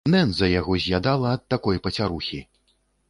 Нэндза яго заядала ад такой пацярухі.